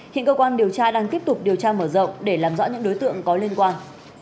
hiện cơ quan điều tra đang tiếp tục điều tra mở rộng để làm rõ những đối tượng có liên quan